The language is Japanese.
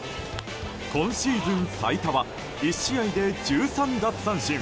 今シーズン最多は１試合で１３奪三振。